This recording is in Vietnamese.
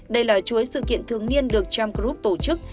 đây là chuối sự kiện thương niên được tram group tổ chức